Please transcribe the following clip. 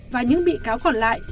và những bị cáo còn lại là năm năm tù